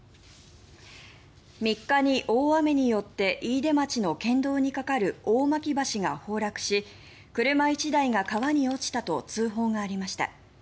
３日に、大雨によって飯豊町の県道に架かる大巻橋が崩落し、車１台が川に落ちたと通報がありました。